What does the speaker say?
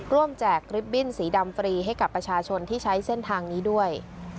แจกริบบิ้นสีดำฟรีให้กับประชาชนที่ใช้เส้นทางนี้ด้วย